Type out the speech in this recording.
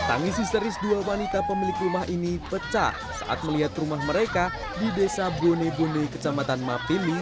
tangis histeris dua wanita pemilik rumah ini pecah saat melihat rumah mereka di desa bone bone kecamatan mapini